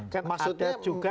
kan ada juga